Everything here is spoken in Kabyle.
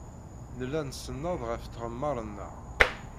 Nella nsenned ɣef tɣemmar-nneɣ.